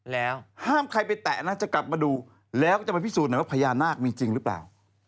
แล้วห้ามใครไปแตะนะจะกลับมาดูแล้วก็จะไปพิสูจน์หน่อยว่าพญานาคมีจริงหรือเปล่า